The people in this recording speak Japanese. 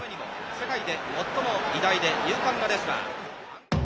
世界で最も偉大で勇敢なレスラー。